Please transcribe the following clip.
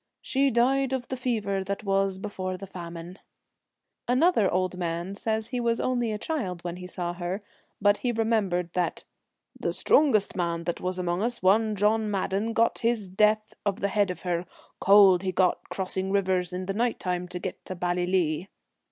She died of the fever that was before the famine.' Another old man says he was only a child when he saw her, but he remembered that ' the strongest man that was among us, one John Madden, got his death of the head of her, cold he got crossing rivers in the night time to get to Ballylee.'